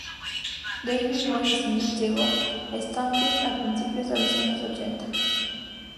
Davey Boy Smith llegó a Stampede a principios de los años ochenta.